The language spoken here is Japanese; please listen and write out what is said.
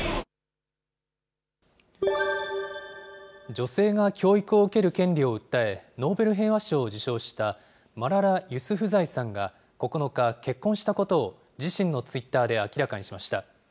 女性が教育を受ける権利を訴え、ノーベル平和賞を受賞したマララ・ユスフザイさんが９日、結婚したことを、自身のツイッターで明らかにしました。